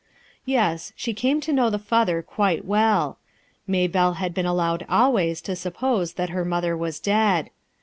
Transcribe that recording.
Yes, she came to know the father quite well. JIayhelle had been allowed always to suppose that her mother was dead.